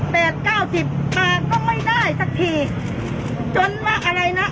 เก้าสิบมาก็ไม่ได้สักทีจนว่าอะไรนะ